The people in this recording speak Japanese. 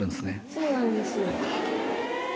そうなんですよ。